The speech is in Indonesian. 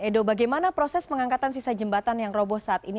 edo bagaimana proses pengangkatan sisa jembatan yang roboh saat ini